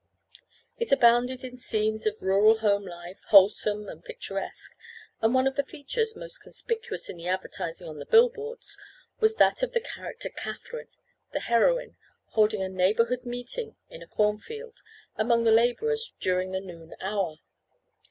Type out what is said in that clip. It abounded in scenes of rural home life, wholesome and picturesque, and one of the features, most conspicuous in the advertising on the billboards was that of the character Katherine, the heroine, holding a neighborhood meeting in a cornfield, among the laborers during the noon hour.